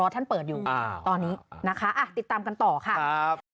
ตอนนี้นะคะติดตามกันต่อค่ะ